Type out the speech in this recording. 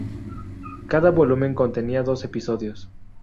Cada volumen contenía dos episodios.